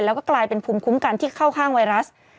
แล้วก็กลายเป็นภูมิคุ้มกันที่เข้าข้างไวรัส